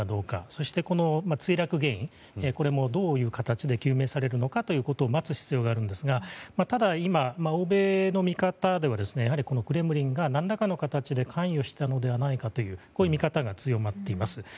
そして、墜落原因これもどういう形で究明されるのかというのを待つ必要があるんですがただ今、欧米の見方ではクレムリンが何らかの形で関与したのではないかというこういう見方が強まっています。